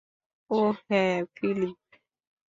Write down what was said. ওহ হ্যাঁ, ফিলিপ।